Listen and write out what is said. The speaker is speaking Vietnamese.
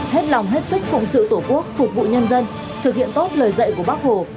hết lòng hết sức phụng sự tổ quốc phục vụ nhân dân thực hiện tốt lời dạy của bác hồ